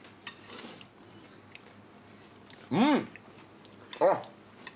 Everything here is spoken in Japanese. うん！あっ。